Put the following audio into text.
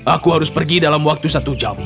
aku harus pergi dalam waktu satu jam